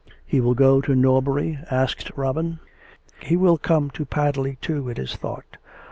" He will go to Norbury ?" asked Robin. " He will come to Padley, too, it is thought.